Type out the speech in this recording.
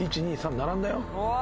並んだよ」